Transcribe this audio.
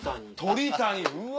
鳥谷うわ！